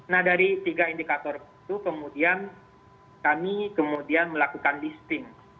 nah dari tiga indikator itu kemudian kami melakukan listing